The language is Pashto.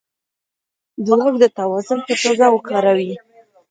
د واک د توازن په توګه وکاروي.